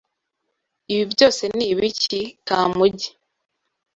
Ibi byose ni ibiki, Kamugi?